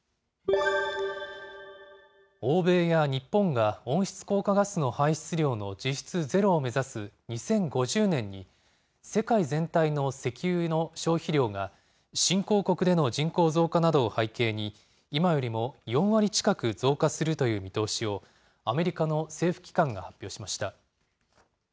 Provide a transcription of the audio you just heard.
欧米や日本が温室効果ガスの排出量の実質ゼロを目指す２０５０年に、世界全体の石油の消費量が新興国での人口増加などを背景に、今よりも４割近く増加するという見通しを、アメリカの政府機関が発表しました。